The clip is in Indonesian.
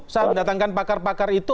saat mendatangkan pakar pakar itu